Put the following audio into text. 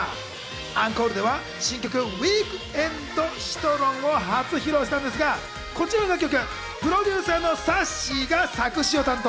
アンコールでは新曲の『ウィークエンドシトロン』を初披露したんですがこちらの楽曲、プロデューサーのさっしーが作詞を担当。